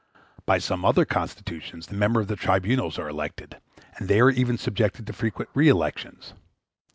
By some other constitutions the members of the tribunals are elected, and they are even subjected to frequent re elections.